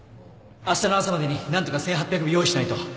あしたの朝までに何とか １，８００ 部用意しないと